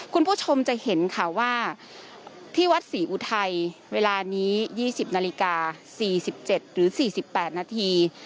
คุณผู้ชมจะเห็นค่ะว่าที่วัดศรีอุทัยเวลานี้๒๐นาฬิกา๔๗หรือ๔๘นาที